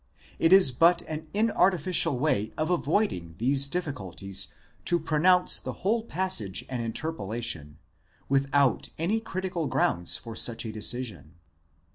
It is but an inartificial way of avoiding these difficulties to pronounce the whole passage an interpolation, without any critical grounds for such a decision.